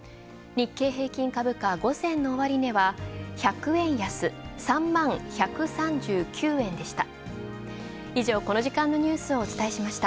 日経平均株価、午前の終値は１００円安３万１３９円でした。